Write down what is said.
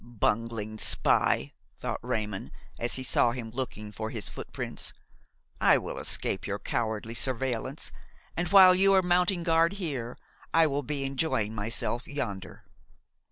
"Bungling spy!" thought Raymon, as he saw him looking for his footprints. "I will escape your cowardly surveillance, and while you are mounting guard here I will be enjoying myself yonder."